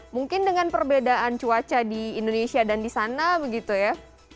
mungkin dengan perbedaan cuaca di indonesia dan di sana begitu ya